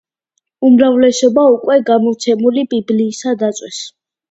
უმრავლესობა უკვე გამოცემული ბიბლიისა დაწვეს.